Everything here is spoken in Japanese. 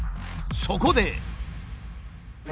そこで。